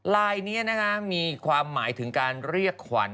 ลายนี้นะคะมีความหมายถึงการเรียกขวัญ